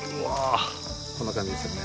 こんな感じですよね。